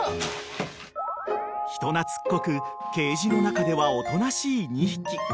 ［人懐っこくケージの中ではおとなしい２匹］